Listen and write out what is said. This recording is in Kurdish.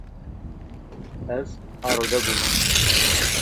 Ez arode bûme.